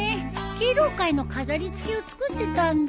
敬老会の飾り付けを作ってたんだ。